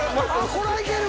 これは行ける！